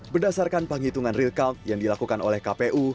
berdasarkan penghitungan real count yang dilakukan oleh kpu